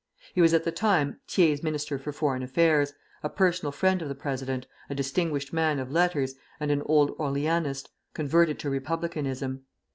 He was at the time Thiers' Minister for Foreign Affairs, a personal friend of the president, a distinguished man of letters, and an old Orleanist converted to Republicanism.